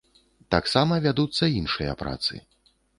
Таксама вядуцца іншыя працы.